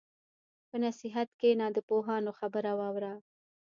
په نصیحت کښېنه، د پوهانو خبره واوره.